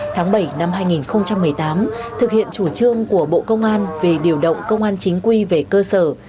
tháng bảy năm hai nghìn một mươi tám thực hiện chủ trương của bộ công an về điều động công an chính quy về cơ sở